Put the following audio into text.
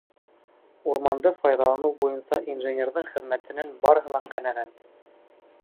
Урманды файҙаланыу буйынса инженерҙың хеҙмәтенән барыһы ла ҡәнәғәт.